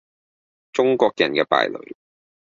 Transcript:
中國人嘅敗類